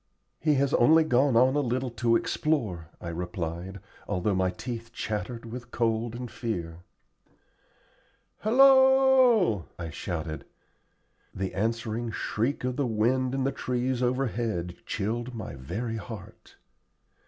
"He has only gone on a little to explore," I replied, although my teeth chattered with cold and fear. "Halloo oo!" I shouted. The answering shriek of the wind in the trees overhead chilled my very heart.